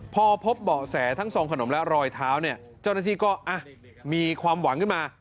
พอพบเบาะแสทั้งซองขนมและรอยเท้าเนี่ยเจ้าหน้าที่ก็มีความหวังขึ้นมา